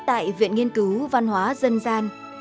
tại viện nghiên cứu văn hóa dân gian